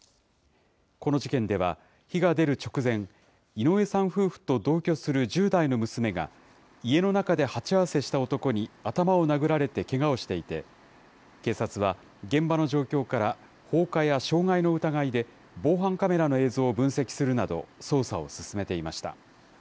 この事件では、火が出る直前、井上さん夫婦と同居する１０代の娘が、家の中で鉢合わせした男に頭を殴られてけがをしていて、警察は、現場の状況から放火や傷害の疑いで、防犯カメラの映像を分析するなど、捜査を進めていました。